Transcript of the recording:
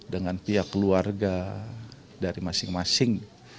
dengan pihak keluarga dari masing masing